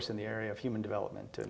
ini akan menjadi lebih penting